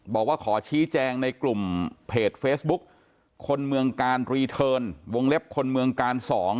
บอกว่าขอชี้แจงในกลุ่มเพจเฟซบุ๊กคนเมืองการรีเทิร์นวงเล็บคนเมืองกาล๒